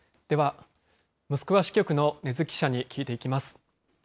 では、モスクワ支局の禰津記者に聞いていきます。